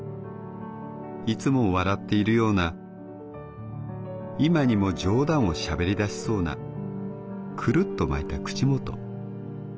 いつも笑っているような今にも冗談をしゃべり出しそうなくるっと巻いた口元。